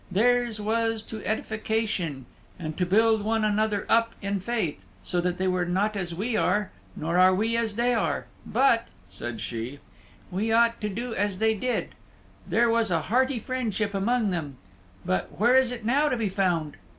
Theirs was to edification, and to build one another up in faith, so that they were not as we are, nor are we as they were. But," said she, "we ought to do as they did; there was a hearty friendship among them; but where is it now to be found?"